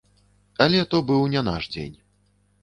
Але то быў не наш дзень.